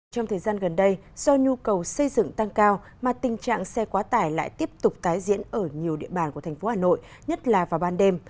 trong thời gian gần đây do nhu cầu xây dựng tăng cao mà tình trạng xe quá tải lại tiếp tục tái diễn ở nhiều địa bàn của thành phố hà nội nhất là vào ban đêm